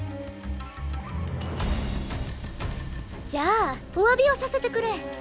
じゃあお詫びをさせてくれ。